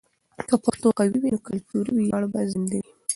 که پښتو قوي وي، نو کلتوري ویاړ به زنده وي.